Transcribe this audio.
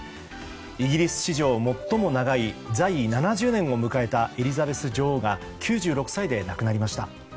イギリス史上最も長い在位７０年を迎えたエリザベス女王が９６歳で亡くなりました。